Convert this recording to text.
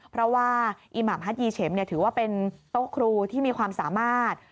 เพราะว่าอีหม่ำฮัตยีเฉมถือว่าเป็นโต๊ะครูที่มีความสามารถ